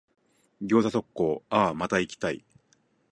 餃子特講、あぁ、また行きたい。